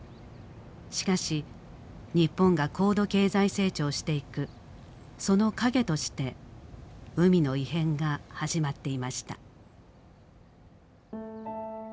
しかし日本が高度経済成長していくその影として海の異変が始まっていました。